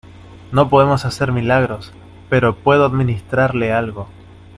no podemos hacer milagros, pero puedo administrarle algo.